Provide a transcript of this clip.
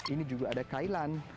ini juga ada kailan